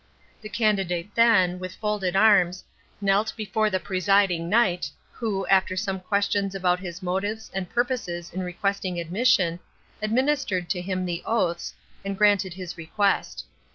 The candidate then, with folded arms, knelt before the presiding knight, who, after some questions about his motives and purposes in requesting admission, administered to him the oaths, and granted his request.